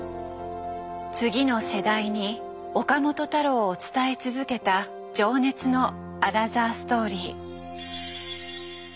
次の世代に岡本太郎を伝え続けた情熱のアナザーストーリー。